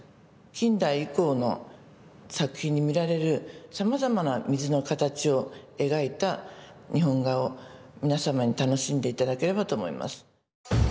近代以降の作品に見られるさまざまな水のかたちを描いた日本画を皆様に楽しんで頂ければと思います。